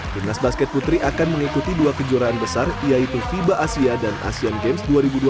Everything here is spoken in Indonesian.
timnas basket putri akan mengikuti dua kejuaraan besar yaitu fiba asia dan asean games dua ribu dua puluh tiga